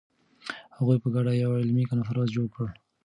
هغوی په ګډه یو علمي کنفرانس جوړ کړ.